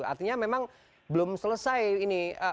artinya memang belum selesai ini